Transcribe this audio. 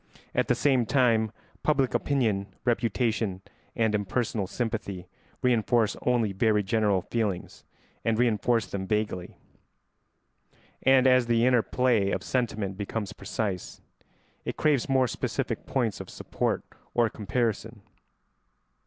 At the same time public opinion, reputation, and impersonal sympathy reinforce only very general feelings, and reinforce them vaguely; and as the inner play of sentiment becomes precise, it craves more specific points of support or comparison.